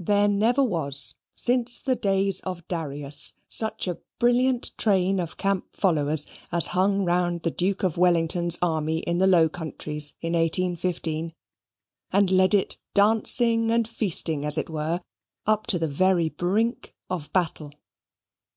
There never was, since the days of Darius, such a brilliant train of camp followers as hung round the Duke of Wellington's army in the Low Countries, in 1815; and led it dancing and feasting, as it were, up to the very brink of battle.